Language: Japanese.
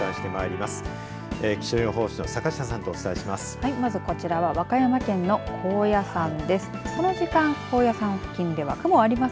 まずこちらは和歌山県の高野山です。